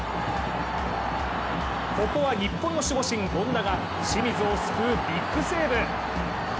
ここは日本の守護神・権田が清水を救うビッグセーブ。